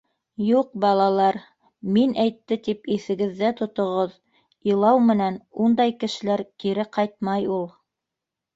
— Юҡ, балалар, мин әйтте тип иҫегеҙҙә тотоғоҙ, илау менән ундай кешеләр кире ҡайтмай ул.